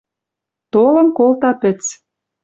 толын колта пӹц